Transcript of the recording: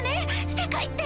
世界って。